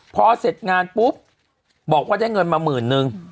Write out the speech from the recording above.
พอเสร็จงานปุ๊บบอกว่าได้เงินมาหมื่นนึง